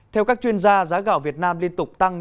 theo các chuyên gia giá gạo việt nam liên tục tăng